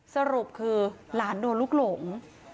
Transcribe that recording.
สรุปคือหลานโดนลูกหลง